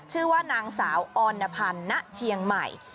ชื่อว่านางสาวออนพันธ์ณเชียงใหม่